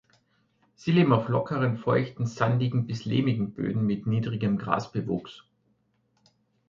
Sie leben auf lockeren, feuchten, sandigen bis lehmigen Böden mit niedrigem Grasbewuchs.